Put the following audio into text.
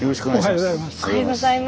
おはようございます。